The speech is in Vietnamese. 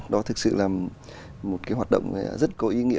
đó thực sự là một cái hoạt động rất có ý nghĩa